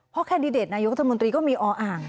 เพราะแคนดิเดตนายุทธมุนตรีก็มีออ่าง